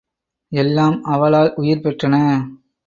எல்லாம் அவளால் உயிர்பெற்றன.